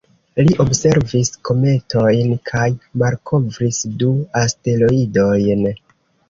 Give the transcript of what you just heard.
Li observis kometojn kaj malkovris du asteroidojn.